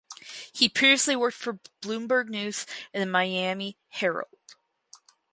He previously worked for Bloomberg News and "The Miami Herald".